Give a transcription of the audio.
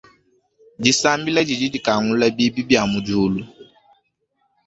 Disambila didi dikangula bibi bia mudiulu.